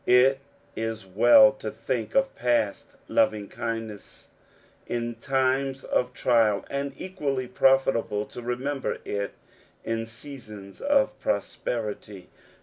It is well to twnk of past lovingkindness in times of trial, and equally profitable to remember it in seasons of prosperity.